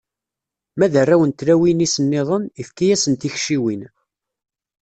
Ma d arraw n tlawin-is-nniḍen, ifka-asen tikciwin.